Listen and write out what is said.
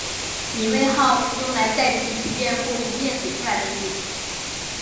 隐讳号用来代替不愿或不便写出来的字。